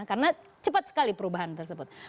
karena cepat sekali perubahan tersebut